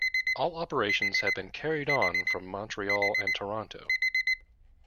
All operations have been carried on from Montreal and Toronto.